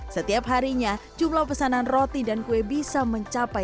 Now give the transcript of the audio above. setiap harinya jumlah pesanan roti dan kue ini bisa dihasilkan sampai sepuluh hari